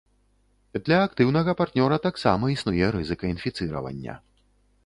Для актыўнага партнёра таксама існуе рызыка інфіцыравання.